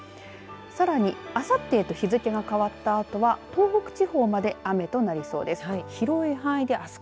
さらに、あさってへと日付が変わったあとは東北地方まで雨となりそうです。